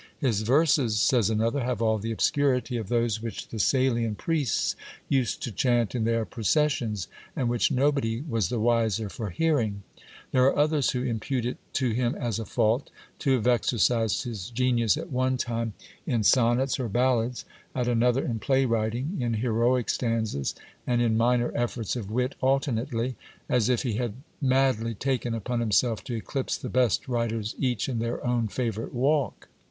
His verses, says another, have all the obscurity of those which the Salian priests used to chaunt in their processions, and which nobody was the wiser for hearing. There are others who impute it to him as a fault, to have exercised his genius at one time in son nets or ballads, at another in play writing, in heroic stanzas, and in minor efforts of wit alternately, as if he had madly taken upon himself to eclipse the best writers each in their own favourite walk.